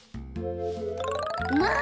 まあ！